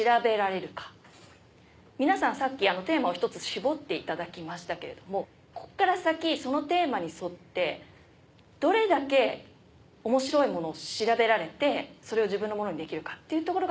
皆さんさっきテーマを１つ絞っていただきましたけれどもここから先そのテーマに沿ってどれだけ面白いものを調べられてそれを自分のものにできるかっていうところがポイントになって行きます。